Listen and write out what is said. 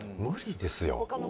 無理ですよ。